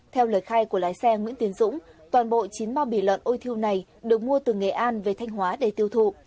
theo lời khai của lái xe nguyễn tiến dũng toàn bộ chín bao bì lợn ôi thiêu này được mua từ nghệ an về thanh hóa để tiêu thụ